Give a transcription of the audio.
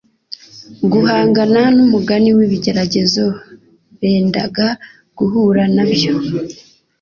guhangana n'umugani w'ibigeragezo bendaga guhura na byo!